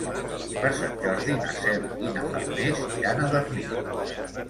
Per Sant Jordi na Cel i na Farners iran a Darnius.